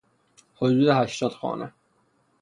حدود هشتاد خانه